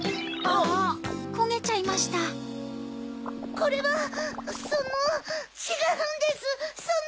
これはそのちがうんですその。